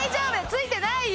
ついてないよ。